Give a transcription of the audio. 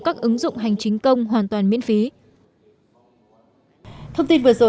các ứng dụng hành chính công hoàn toàn miễn phí